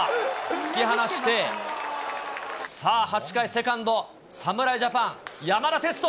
突き放して、さあ８回、セカンド、侍ジャパン、山田哲人。